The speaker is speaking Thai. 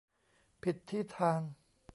ผิดที่ทาง